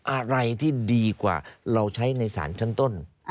อะไรที่ดีกว่าเราใช้ในศาลชั้นต้น